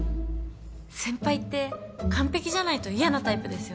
先輩って完璧じゃないと嫌なタイプですよね？